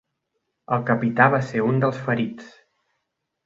El capità va ser un dels ferits.